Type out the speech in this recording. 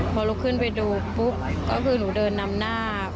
พอลุกขึ้นไปดูปุ๊บก็คือหนูเดินนำหน้า